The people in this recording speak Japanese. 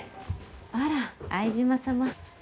あら相島様。